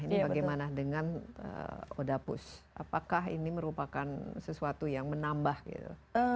ini bagaimana dengan odapus apakah ini merupakan sesuatu yang menambah gitu